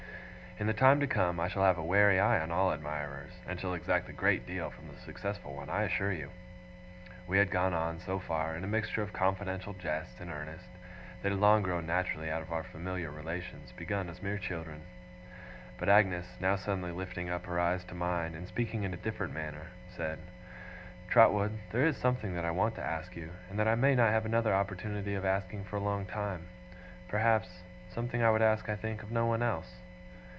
In the time to come, I shall have a wary eye on all admirers; and shall exact a great deal from the successful one, I assure you.' We had gone on, so far, in a mixture of confidential jest and earnest, that had long grown naturally out of our familiar relations, begun as mere children. But Agnes, now suddenly lifting up her eyes to mine, and speaking in a different manner, said: 'Trotwood, there is something that I want to ask you, and that I may not have another opportunity of asking for a long time, perhaps something I would ask, I think, of no one else.